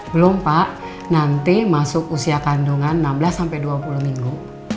belum pak nanti masuk usia kandungan enam belas sampai dua puluh minggu